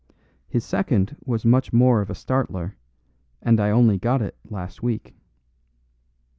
His second was much more of a startler, and I only got it last week."